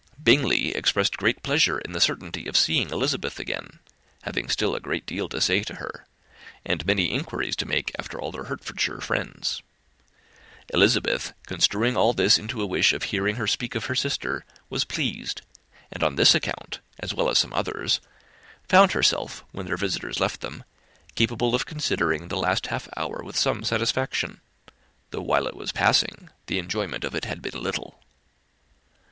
Bingley expressed great pleasure in the certainty of seeing Elizabeth again, having still a great deal to say to her, and many inquiries to make after all their Hertfordshire friends. Elizabeth, construing all this into a wish of hearing her speak of her sister, was pleased; and on this account, as well as some others, found herself, when their visitors left them, capable of considering the last half hour with some satisfaction, though while it was passing the enjoyment of it had been little.